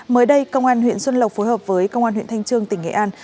mới đây công an huyện xuân lộc phối hợp với công an huyện thanh trương tỉnh nghệ an